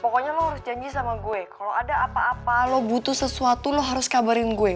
pokoknya lo harus janji sama gue kalau ada apa apa lo butuh sesuatu lo harus kabarin gue